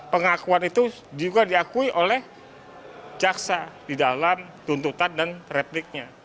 pengakuan itu juga diakui oleh jaksa di dalam tuntutan dan repliknya